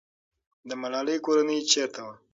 د ملالۍ کورنۍ چېرته وه؟